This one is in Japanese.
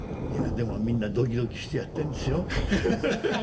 いやでもみんなドキドキしてやってんですよ。